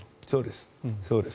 そうです。